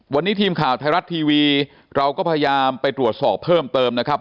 วันนี้ทีมข่าวไทยรัฐทีวีเราก็พยายามไปตรวจสอบเพิ่มเติมนะครับ